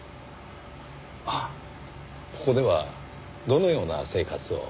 あっここではどのような生活を？